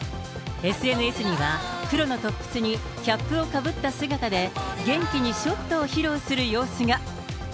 ＳＮＳには黒のトップスにキャップをかぶった姿で、元気にショットを披露する様子が。